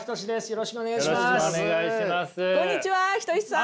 よろしくお願いします。